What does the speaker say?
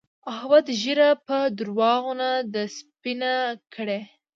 احمد ږيره په درواغو نه ده سپينه کړې.